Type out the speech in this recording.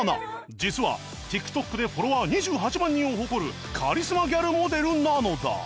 実は ＴｉｋＴｏｋ でフォロワー２８万人を誇るカリスマギャルモデルなのだ